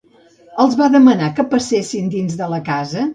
Els va demanar que passessin dins de la casa?